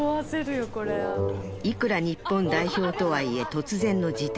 いくら日本代表とはいえ突然の事態